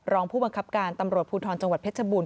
รองผู้บังคับการตำรวจภูทรจังหวัดเพชรบูรณ